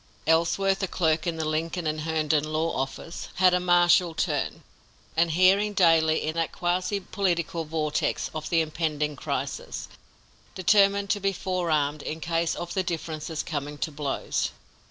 Ellsworth, a clerk in the Lincoln & Herndon law office, had a martial turn, and hearing daily in that quasi political vortex of the impending crisis, determined to be forearmed in case of the differences coming to blows.